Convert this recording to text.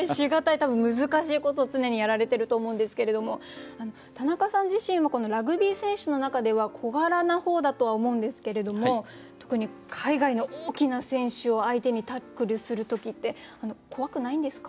多分難しいことを常にやられてると思うんですけれども田中さん自身はこのラグビー選手の中では小柄な方だとは思うんですけれども特に海外の大きな選手を相手にタックルする時って怖くないんですか？